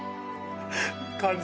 感じ